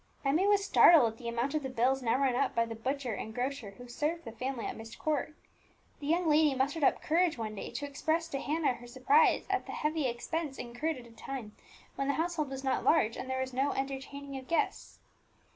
Emmie was startled at the amount of the bills now run up by the butcher and grocer who served the family at Myst Court. The young lady mustered up courage one day to express to Hannah her surprise at the heavy expense incurred at a time when the household was not large, and there was no entertaining of guests.